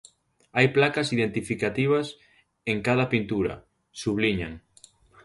Hai placas identificativas en cada pintura, subliñan.